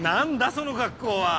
その格好は。